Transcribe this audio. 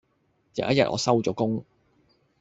有一日我收咗工